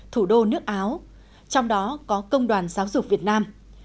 thủ đô nước áo trong đó có công đoàn giáo dục việt nam